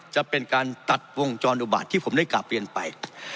จะเป็นการตัดวงจรอุบัติที่ผมได้กราบเรียนไป